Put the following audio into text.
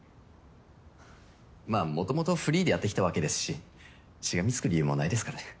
まあもともとフリーでやってきたわけですししがみつく理由もないですからね。